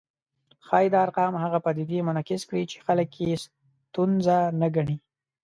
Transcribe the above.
ښايي دا ارقام هغه پدیدې منعکس کړي چې خلک یې ستونزه نه ګڼي